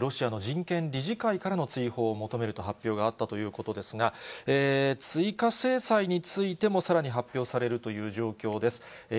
ロシアの人権理事会からの追放を求めると発表があったということですが、追加制裁についてもさらに発表されるという状況です。